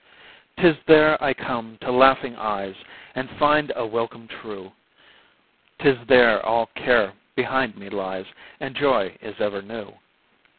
'Tis there I come to laughing eyes And find a welcome true; 'Tis there all care behind me lies And joy is ever new.